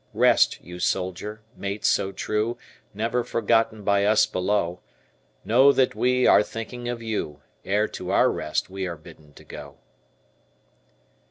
Rest, you soldier, mate so true, Never forgotten by us below; Know that we are thinking of you, Ere to our rest we are bidden to go.